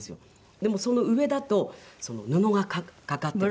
でもその上だと布がかかってるんですよ。